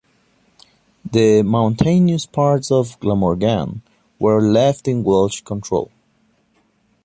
The mountainous parts of Glamorgan were left in Welsh control.